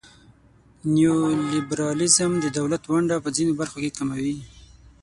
نیولیبرالیزم د دولت ونډه په ځینو برخو کې کموي.